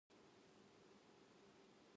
紅茶にお砂糖をいれますか。